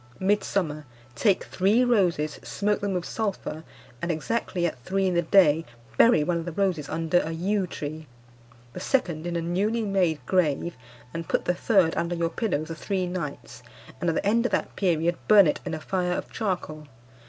"Midsummer. Take three roses, smoke them with sulphur, and exactly at three in the day bury one of the roses under a yew tree; the second in a newly made grave, and put the third under your pillow for three nights, and at the end of that period burn it in a fire of charcoal.